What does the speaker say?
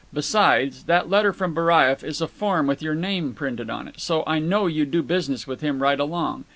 Besides, that letter from Baraieff is a form with your name printed on it; so I know you do business with him right along.